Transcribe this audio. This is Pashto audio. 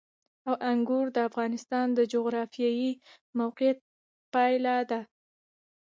انګور د افغانستان د جغرافیایي موقیعت پایله ده.